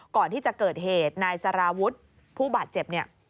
ก่อนที่จะเกิดเหตุนายสารวุฒิผู้บาดเจ็บเนี่ย